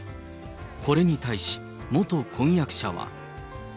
これに対し、元婚約者は。